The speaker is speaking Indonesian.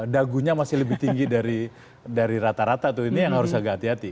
dagunya masih lebih tinggi dari rata rata tuh ini yang harus agak hati hati